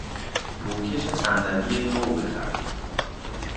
روکش صندلی نو بخر.